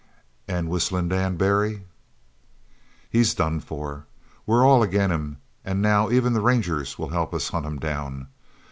"And Whistling Dan Barry?" "He's done for. We're all agin him, an' now even the rangers will help us hunt him down.